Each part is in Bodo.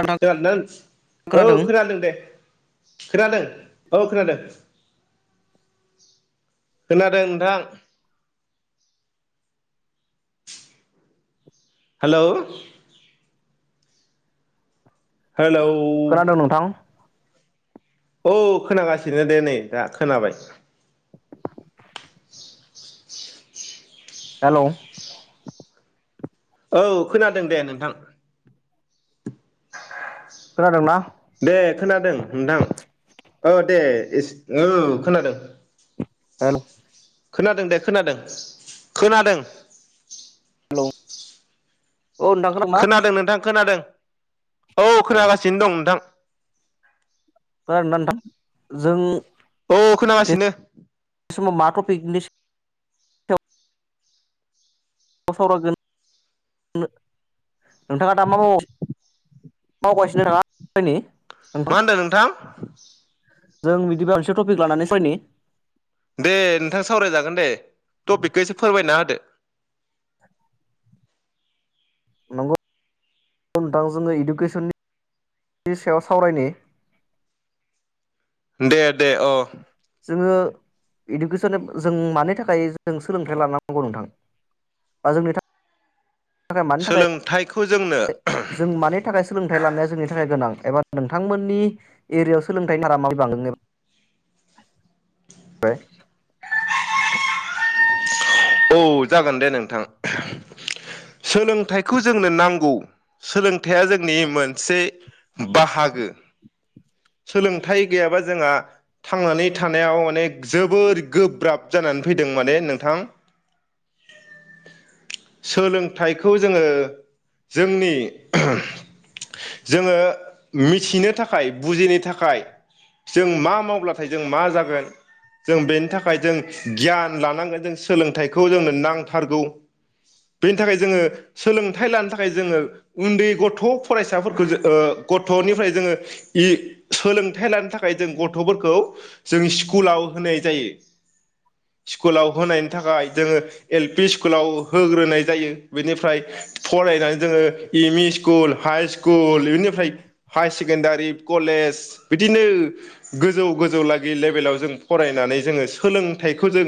नोंथां खोनादों औ खोनादों दे। खोनादों औ खोनादों। खोनादों नोंथां। हेल' हेलौ खोनादों नोंथां औ खोनागासिनो दे नै दा खोनाबाय। [inaudible] हेलौ औ खोनादों दे नोंथां। खोनादोंना? दे खोनादों नोंथां औ दे एसे औ खोनादों। हेलौ खोनादों दे खोनादों खोनादों। हेलौ औ नोंथां खोनादोंना खोनादों नोंथां खोनादों। औ खोनागासिनो दं नोंथां। खोनादोंना नोंथां जों औ बे खोनागासिनो। समाव मा टपिकनि [unintelligible] सावरायगोन नोंथाङा दा मा मावगासिनो [unintelligible] मा होनदों नोंथां [inaudible] जों बिदिबा मोनसे टपिक लानानै सावरायनि दे नोंथां सावरायजागोन दे टपिकखौ एसे फोरमायना होदो नंगौ नोंथां जोङो इडुकेसननि सायाव सावरायनि दे दे औ जोङो इडुकेसन जों मानि थाखाय जों सोलोंथाइ लानांगौ नोंथां बा जोंनि थाखाय मानि थाखाय सोलोंथाइखौ जोंनो जों मानि थाखाय सोलोंथाइ लानाया जोंनि थाखाय गोनां एबा नोंथांमोननि एरियायाव सोलोंथाइनि [unintelligible] माबै बांदोंनो [unintelligible] औ जागोन दे नोंथां सोलोंथाइखौ जोंनो नांगौ सोलोंथाइया जोंनि मोनसे बाहागो सोलोंथाइ गैयाबा जोंहा थांनानै थानायाव माने जोबोर गोब्राब जानानै फैदों माने नोंथां सोलोंथाइखौ जोङो जोंनि जोङो मिथिनो थाखाय बुजिनो थाखाय जों मा मावब्लाथाय जों मा जागोन जों बेनि थाखाय जों गियान लानांगोन जों सोलों थाइखौ जोंनो नांथारगौ बेनि थाखाय जोङो सोलोंथाइ लानो थाखाय जोङो उन्दै गथ' फरायसाफोरखौ ओ गथ'निफ्राय जोङो सोलोंथाइ लानो थाखाय जों गथ'फोरखौ जों स्कुलाव होनाय जायो स्कुलाव होनायनि थाखाय जोङो एल पि स्कुलाव होग्रोनाय जायो बेनिफ्राय फरायनानै जोङो M E school, high school बेनिफ्राय हाय सेकेणडारि कलेज बिदिनो गोजौ गोजौ लागि लेभेलाव जों फरायनानै जोङो सोलोंथाइखौ जों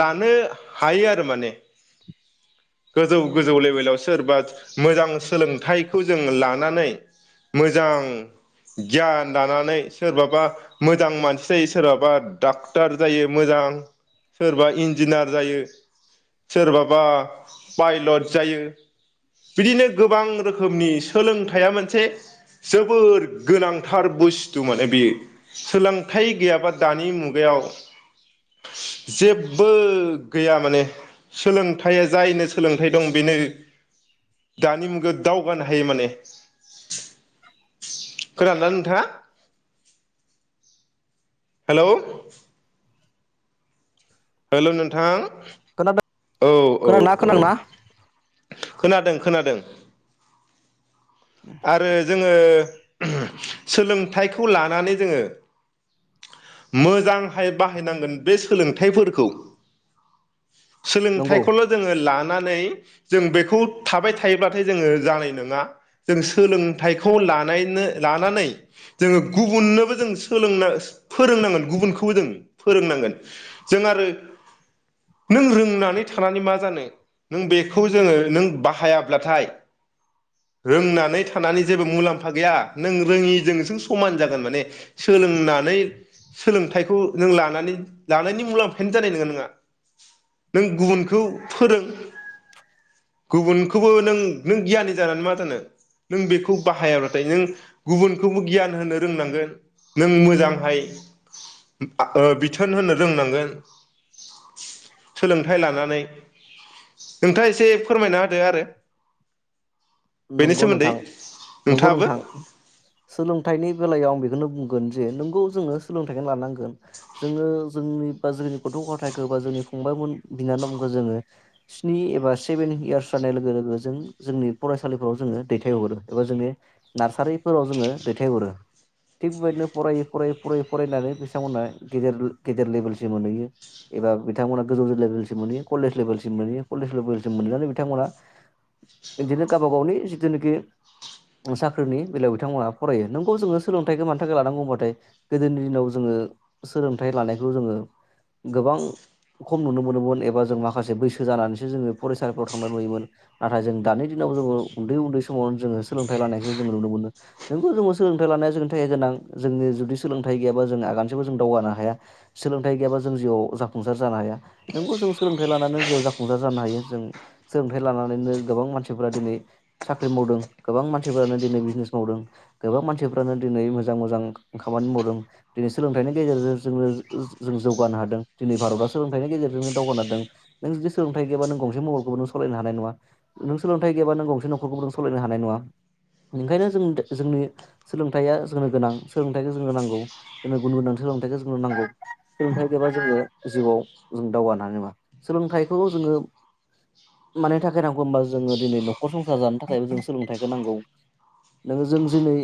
लानो [unintelligible] हायो आरो माने गोजौ गोजौ लेबेलाव सोरबा मोजां सोलोंथाइखौ जों लानानै मोजां गियान दानानै सोरबाबा मोजां मानसि जायो सोरबाबा डक्टर जायो मोजां सोरबा इन न्जिनियार जायो सोरबाबा पायलट जायो बिदिनो गोबां रोखोमनि सोलोंथाइया मोनसे जोबोर गोनांथार बुस्थु माने बेयो सोलोंथाइ गैयाबा दानि मुगायाव जे जेबो गैया माने सोलोंथाइया जायनो सोलोंथाइ दं बेनो दानि मुगायाव दावगानो हायो माने खोनादोंना नोंथाङा हेलौ हेलौ नोंथां औ औ खोनांदोंना औ खोनादोंना खोनादों खोनादों आरो जोङो सोलोंथाइखौ लानानै जोङो मोजांहाय बाहायनांगोन बे सोलोंथाइफोरखौ नंगौ सोलोंथाइखौल' जोङो लानानै जों बेखौ थाबाय थायोब्लाथाय जोङो जानाय नङा जों सोलोंथाइखौ लानायनो लानानै जोङो गुबुननोबो जों सोलोंना फोरोंनांगोन गुबुनखौबो जों फोरोंनांगोन जों आरो नों रोंनानै थानानै मा जानो नों बेखौ जोङो नों बाहायाब्लाथाय रोंनानै थानानै जेबो मुलाम्फा गैया नों रोङिजोंसों समान जागोन माने सोलोंनानै सोलोंथाइखौ नों लानानै लानायनि मुलाम्फायानो जानाय नङा नङा नों गुबुनखौ फोरों गुबुन खौबो नों नों गियानि जानानै मा जानो नों बेखौ बाहायाब्लाथाय नों गुबुनखौबो गियान होनो रोंनांगोन नों मोजांहाय ओ बिथोन होनो रोंनांगोन सोलोंथाइ लानानै नोंथाङा एसे फोरमायना होदो आरो बेनि नंगौ नोंथां सोमोन्दै नंगौ नोंथाङाबो नोंथां सोलोंथाइनि बेलायाव आं बेखौनो बुंगोन जे नोंगौ जोङो सोलोंथाइखौ लानांगोन जोङो जोंनि बा जोंनि गथ' गथायाइखौ बा जोंनि फंबायमोन बिनानावखौ जोङो स्नि एबा सेभेन इयार्स जानाय लोगो लोगो जों जोंनि फरायसालिफोराव जोङो दैथायहरो एबा जोंनि नार्सारिफोराव जोङो दैथायहरो थिग बेबायदिनो फरायै फरायै फरायै फरायनानै बिथांमोना गेजेर गेदेर लेभेलसिम मोनहैयो एबा बिथांमोना गोजौ लेभेलसिम मोनहयो कलेज लेभेलसिम मोनहैयो कलेज लेभेलसिम मोनहैनानै बिथांमोना बिदिनो गावबा गावनि जिथुनाखि साख्रिनि बेलायाव बिथांमोनहा फरायो नोंगौ जोङो सोलोंथाइखौ मानि थाखाय लानांगौ होनबाथाय गोदोनि दिनाव जोङो सोलोंथाइ लानायखौ जोङो गोबां खम नुनो मोनोमोन एबा जों माखासे बैसो जानानैसो जोङो फरायसालिफ्राव थांनानै नुयोमोन नाथाय जों दानि दिनाव जोङो उन्दै उन्दै समावनो जोङो सोलोंथाइ लानायखौ जोङो नुनो मोनो नोंगौ जोङो सोलोंथाइ लानाया जोंनि थाखायाइया गोनां जोंनि जुदि सोलोंथाइ गैयाबा जों आगानसेबो जों दावगानो हाया सोलोंथाइ गैयाबा जों जिउआव जाफुंसार जानो हाया नोंगौ जों सोलोंथाइ लानानै जाफुंसार जानो हायो जों सोलोंथाइ लानानैनो गोबां मानसि फ्रा दिनै साख्रि मावदों गोबां मानसिफ्रानो दिनै बिजनेस मावदों गोबां मानसिफ्रानो दिनै मोजां मोजां खामानि मावदों दिनै सोलोंथाइनि गेजेरजों जोङो जों जों जौगानो हादों दिनै भारतआ सोलोंथाइनि गेजेरजोंनो दावगानो हादों नों जुदि सोलोंथाइ गैयाबा नों गंसे मबाइलखौबो नों सालायनो हानाय नङा नों सोलोंथाइ गैयाबा नों गंसे नखरखौबो नों सालायनो हानाय नङा ओंखायनो जों जों जोंनि सोलोंथाइया जोंनो गोनां सोलोंथाइखौ जोंनो नांगौ जोंनो गुन गोनां सोलोंथाइखौ जोंनो नांगौ सोलोंथाइ गैयाबा जोङो जिउआव जों दावगानो हानाय नङा सोलोंथाइखौ जोङो मानि थाखाय नांगौ होनबा जोङो दिनै नखर संसार जानो थाखायबो जों सोलोंथाइखौ नांगौ नोङो जों दिनै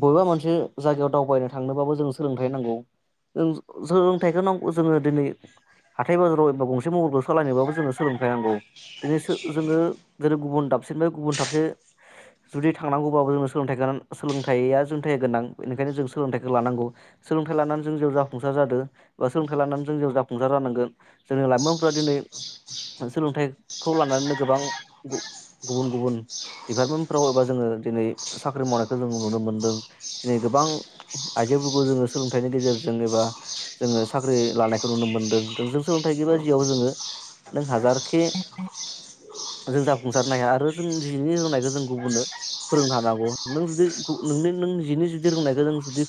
बबेबा मोनसे जायगायाव दावबायनो थांनोबाबो जों सोलोंथाइ नांगौ जों सोलोंथाइखौ नांगौ जोङो दोनै हाथाय बाजाराव एबा गंसे मबाइलखौ सालायनोबाबो जोङो सोलोंथाइ नांगौ दिनै जोङो जेरै गुबुन दाबसेनिफ्राय गुबुन दाबसे जुदि थांनांगौबाबो जोंनो सोलोंथाइखौ सोलोंथाइया जोंनि थाखाय गोनां बेनिखायनो जों सोलोंथाइखौ लानांगौ सोलोंथाइ लानानै जों जा-जा-जाफुंसार जादों बा सोलोंथाइ लानानै जोंनियाव जाफुंसार जानांगोन जोंनि लाइमोनफोरा दिनै सोलोंथाइखौ लानानैनो गोबां गुबुन गुबुन डिपार्टमेन्टफ्राव एबा जोङो दिनै साख्रि मावनायखौ जों नुनो मोनदों दिनै गोबां आइजोफोरखौ जोङो सोलोंथाइनि गेजेरजों एबा जोङो साख्रि लानायखौ नुनो मोन्दों जों सोलोंथाइ बा जियाव जोङो नों हाजारखे जों जाफुंसारनो हाया आरो जों जिनि रोंनायखौ जों गुबुननो फोरोंनो हानांगौ नों जुदि नों नों जिनि जुदि रोंनायखौ जों जुदि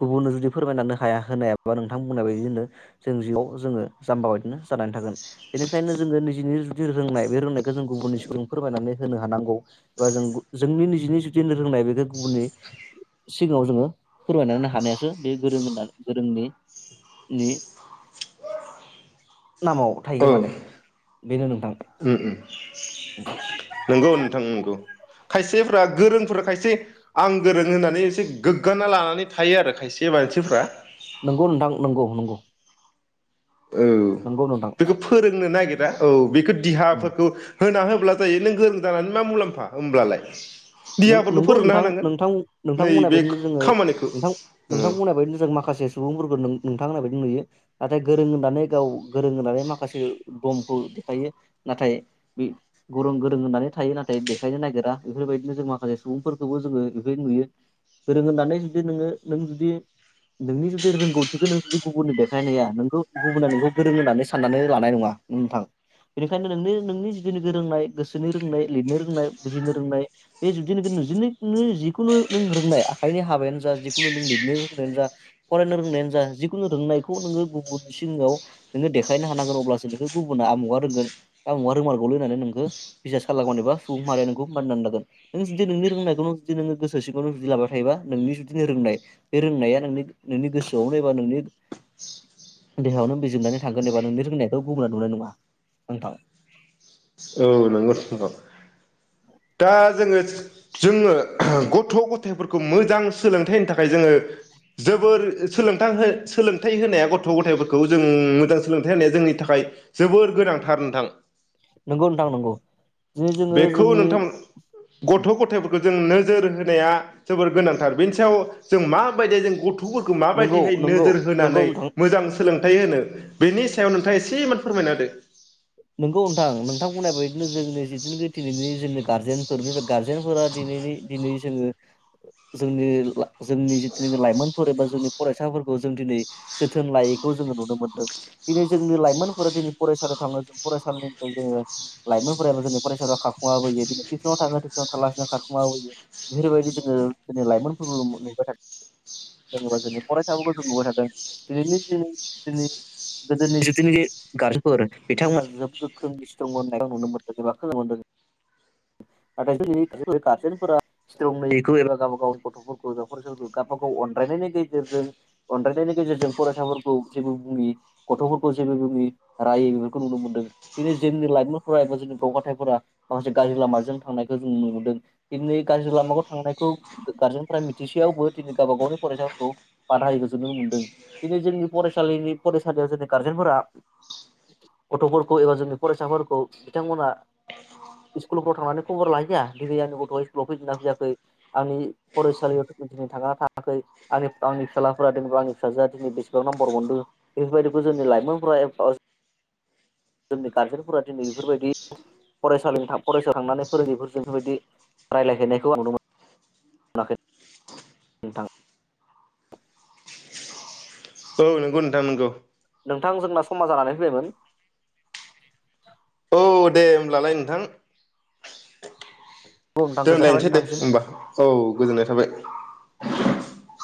गुबुननो जुदि फोरमायनानैनो हाया होनो हायाबा नोंथांमोननाय बायदि जनो जों जिआव जोङो जाम्बा बायदिनो जानानै थागोन बेनिखायनो जोङो निजिनि जुदि रोंनाय बे रोंनाय खो जों गुबुननि सिगां फोरमायनानै होनो हानांगौ एबा जों जोंनि निजिनि जुदिनि रोंनाय बेखौ गुबुननि सिगाङाव जोङो फोरमायनानै हानायासो बे गोरों गोरोंनि नामाव थायो माने बेनो नोंथां उ उम नंगौ नोंथां नोंगौ खायसेफ्रा गोरोंफोरा खायसे आं गोरों होननानै एसे गोग्गाना लानानै थायो आरो खायसे मानसिफ्रा नंगौ नोंथां नंगौ नंगौ ओ नंगौ नोंथां बेखौ फोरोंनो नागिरा औ बेखौ उम दिहाफोरखौ होना हो अब्ला जायो नों गोरों जानानै मा मुलाम्फा होमब्लालाय देहाफोरखौ नंगौ फोरोंना नोंथां होनांगोन नोंथां नोंथां नोंथां बुंनाय नैबे बायदिनो जोङो खामानिखौ नोंथां नोंथां बुंनाय बायदिनो माखासे सुबुंफोरखौ नोंथां नोंथां होननाय बायदि नुयो नाथाय गोरों होननानै गाव गोरों होननानै माखासे दमखौ देखायो नाथाय बे गरों गोरों होननानै थायो नाथाय देखायनो नागिरा बेफोरबायदि जों माखासे सुबुंफोरखौबो जोङो एफोर बायदि नुयो गोरों होननानै जुदि नोङो नों जुदि नोंनि जुदि रोंगौथिखौ नों जुदि गुबुननो देखायनो हाया नोंखौ गुबुना नोंखौ गोरों होननानै साननानै लानाय नङा नोंथां बेनिखायनो नोंनि नोंनि जुदि गोरोंनाय गोसोनि रोंनाय लिरनो रोंनाय बुजिनो रोंनाय बे जुदि नों नजों जिखुनु नों रोंनाय आखाइनि हाबायानो जा जिखुनु नों लिरनो रोंनायानो जा फरायनो रोंनायानो जा जिखुनु रोंनायखौ नोङो गुबुन सिङाव नोङो देखायनो हानांगोन अब्लासो नोंखौ गुबुना आमुगा रोंगोन आमुहा रोंमारगौलै होननानै नोंखौ बिसास खालामगोन एबा सुबुं माहारि नोंखौ मानिनानै लागोन नों जुदि नोंनि रोंनायखौनो जुदि नोङो गोसो सिङावनो जुदि लाबाय थायोबा नोंनि जुदि रोंनाय बे रोंनाया नोंनि नोंनि गोसोआवनो एबा नोंनि देहायावनो बिजिरनानै थांगोन एबा नोंनि रोंनायखौ गुबना नुनाय नङा नोंथां औ नंगौथ' दा जोङो जोङो गथ' गथायाइफोरखौ मोजां सोलोंथाइ होनो थाखाय जोङो जोबोर सोलोंथाइ सोलोंथाइ होनाया गथ' गथायफोरखौ जों मोजां सोलोंथाइ होनाया जोंनि थाखाय जोबोर गोनांथार नोंथां नंगौ नोंथां नंगौ दिनै जोङो बेखौ जोंनि गथ' गथायफोरखौ जों नोजोर होनाया जोबोर गोनांथार बेनि सायाव जों माबायदि जों गथ' गथ'फोरखौ नंगौ माबायदिहाय नंगौ नोजोर नंगौ होनानै नोंथां मोजां सोलोंथाइ होनो बेनि सायाव नोंथाङा एसे इमान फोरमायना होदो नोंगौ नोंथां नोंथां बुंनाय बायदिनो जोंनि बिदि दिनैनि जोंनि गारजेनफोरनि गारजेनफोरा दिनैनि दिनै जोङो जोंनि जोंनि जिथुनाखि लाइमोनफोर एबा जोंनि फरायसाफोरखौ जों दिनै जोथोन लायैखौ जोङो नुनो मोनदों दिनै जोंनि लाइमोनफोरा दिनै फरायसालियाव थाङो जों फरायसालिनिफ्राय जोङो लाइमोनफोराबो जोंनि फरायसालियाव खारखुमाबोयो दिनै टिउसनाव थाङो टिउसनाव थालासिनो खारखुमाबोयो बेफोरबायदि जोङो जोंनि लाइमोनफोरखौ नुबाय थादों जेनबा जोंनि फरायसाफोरखौ जों नुबाय थादों दिनैनि जे जोंनि गोदोनि जिथुनिखि गारजेफोर बिथांमोना जेब गोख्रों स्ट्रं होननाय नुनो मोनदों एबा खोनानो मोनदों नाथाय जोंनि गार्जेनफोरा स्ट्रंखौ एबा गावबा गावनि गथ'फोरखौ एबा फरायसाफोरखौ गावब गाव अननायनि गेजेरजों अनायनायनि गेजेरजों फरायसाफोरखौ जेबो बुङि गथ'फोरखौ जेबो बुङि रायो बेफोरखौ नुनो मोन्दों। दिनै जोंनि लाइमोनफोरा एबा जोंनि गथ' गथायफोरा माखासे गाज्रि लामाजों थांनायखौ जों नुनो मोनदों दिनै गाज्रि लामाखौ थांनायखौ गारजेनफोरा मिथिसेयावबो दिनै गावबा गावनि फरायसाफोरखौ बादा होयैखौ जों नुनो मोनदों दिनै जोंनि फरायसालिनि फरायसालियाव जोंनि गारजेनफोरा गथ' गथ' खौ एबा जोंनि फरायसाफोरखौ बिथांमोना स्कुलफ्राव थांनानै खबर लाहैया दिनै आंनि गथ'आ स्कुलाव फैदिना फैयाखै आंनि फरायसालियावथ' दिनै थांना थाङाखै आंनि आंनि फिसालाफोरा दिनैबा आंनि फिसाजोआ दिनै बेसेबां नम्बर मोनदों बेफोरबायदिखौ जोंनि लाइमोनफ्रा एबा जोंनि गारजेनफोरा दिनै बेफोरबायदि फरायसालि फरायसायाव थांनानै फोरोंगिरिफोरजों बेफोरबायदि रायलायहैनायखौ आं नुनो मोनाखै नोंथां औ नंगौ नोंथां नोंगौ नोंथां जोंना समा जानानै फैबायमोन। औ दे होनोमब्लालाय नोंथां औ नोंथां गोजोननाय थाबाय दोनलायनोसै दे नोंथांसिम होमबा औ गोजोननाय थाबाय। [inaudible]